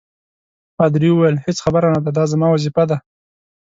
پادري وویل: هیڅ خبره نه ده، دا زما وظیفه ده.